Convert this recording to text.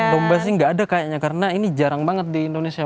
domba sih nggak ada kayaknya karena ini jarang banget di indonesia